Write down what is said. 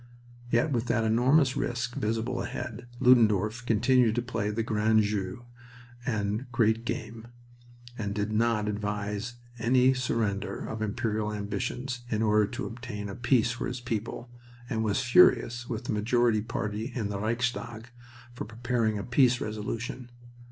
Yet with that enormous risk visible ahead, Ludendorff continued to play the grand jeu, the great game, and did not advise any surrender of imperial ambitions in order to obtain a peace for his people, and was furious with the Majority party in the Reichstag for preparing a peace resolution.